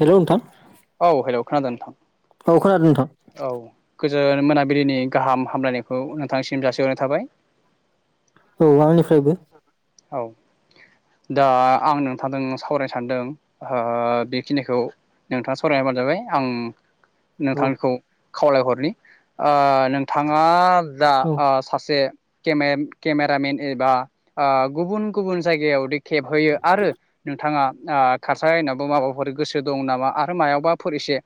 हेल' नोंथां। औ हेल' खोनादों नोथां। ओ खोनादों नोंथां गोजोन मोनाबिलिनि गाहाम हामलायनायखौ नोंथांसिम जासिहरनाय थाबाय औ आंनिफ्रायबो औ दा आं नोंथांजों सावरायनो सानदों ओ बेखिनिखौ नोंथाङा सरायना होबानो जाबाय आं औ नोंथांखौ खावलायहरनि ओ नोंथाङा दा औ ओ सासे केमेन केमेरामेन एबा गुबुन-गुबुन जायगायाव खेबहयो आरो नोंथाङा खारसायनावो माबाफोर गोसो दं नामा आरो मायावबाफोर एसे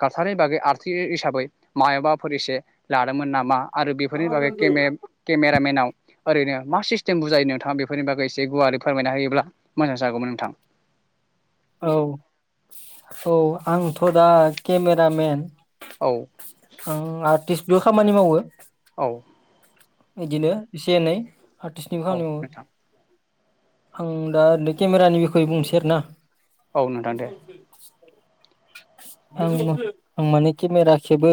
काल्सारनि बागै आरथि हिसाबै मायबाफोर एसे लादोंमोन नामा। आरो बेफोरनि बागै केमेब केमेरामेन नाव ओरैनो मा सिस्टेम बुजायो नोंथाङा बेफोरनि बागै एसे गुवारै फोरमायना होायोब्ला मोजां जागौमोन नोंथाङा। [unintelligible] औ स'आंथ' दा केमेरामेन औ ओं आर्टिस्ट बेबो खामानि मावो औ बिदिनो एसे एनै आर्टिस्टनिबो औ खामानियावो नोंथां आं दा ओरै केमेरानि बिखय बुंनोसै आर ना औ नोंथां दे आं-आं माने केमेरा खेबो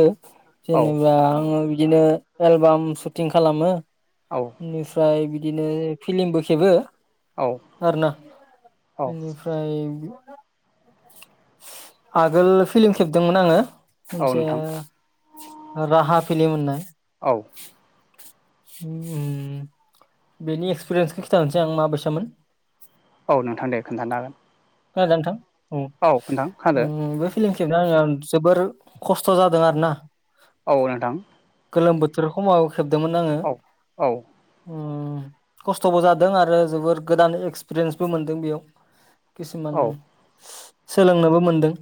औ जेनेबा आङो बिदिनो एलबाम सुटिं खालामो औ बेनिफ्राय बिदि बिदिनो फिलिमबो खेबो औ आर ना औ बेनिफ्राय आगोल फिल्म खेबदोंमोन आङो मोनसे नोंथां राहा फिलिम होननाय औ उम बेनि एक्सपिरियेन्सखौ खिन्थसै आं माबैसामोन औ नोंथां दे खोन्थानो हागोन खोनादोंना औ खोनादो नोंथां बे फिलिम खेबनोआङो जोबोर खस्थ' जादों आरो ना। औ नोंथां। गोलोम बोथोर हमाव खेबदोंमोन आङो औ औ उम खस्थ'बो जादों आरो जोबोर गोदान एक्सपिरियेन्सबो मोनदों बेयाव किसिमान औ सोलोंनोबो मोनदों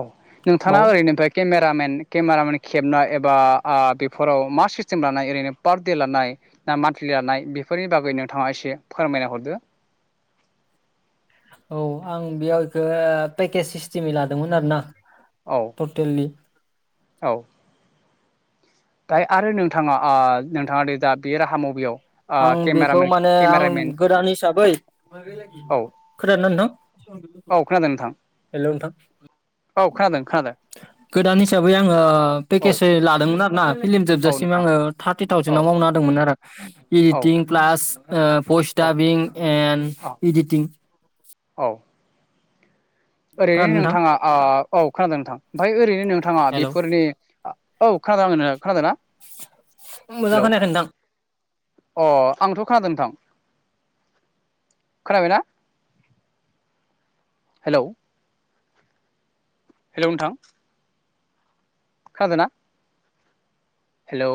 औ नोंथाङा बाव ओरैनिफ्राय केमेरामेन केमेरामेन खेबनाय एबा ओ बेफोराव मा सिस्टेम लानाय ओरैनो पार दे लानाय ना मान्थलि लानाय बेफोरनि बागै नोंथाङा एसे फोरमायना हरदो औ आं बेयाव इखो पेकेज सिस्टिमै लादोंमोन आरो ना औ टटेलि दा आरो नोंथाङा ओ नोंथाङा दे दा बे राहा मबियाव ओ आं केमेरा बेखौ मेन केमेरा मेन खोनादोंमोन नोंथां औ खोनादों नोंथां हेल' नोंथां औ खोनादों खोनादों गोदान हिसाबै आङो औ पेकेजै लादोंमोन आरोना फिल्म औ जोबजासिम नोंथां आङो थारटि औ थावजेनाव मावनो होदोंमोन नारा औ इडिटिं प्लास ओ फयस औ एन औ इडिटिं औ खोनादों ओरैनो नोंथां नोंथाङा ओ औ खोनादों नोंथां ओमफाय ओरैनो नोंथाङा हेलौ बेफोरनि औ खानादों खानादोंना मोजां खोनायाखै नोंथां अ आंथ' खोनादों नोंथां। खोनाबायना हेलौ हेलौ नोंथां खोनादोना हेलौ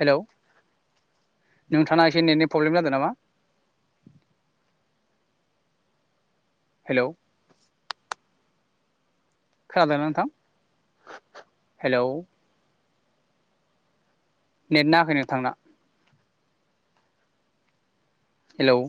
हेलौ नोंथाङा एसे नेटनि प्रब्लेम जादों नामा हेलौ। खोनादोना नोंथां हेलौ नेट नाङाखै नोंथांना हेलौ